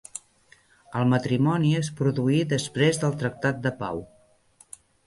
El matrimoni es produí després del tractat de pau.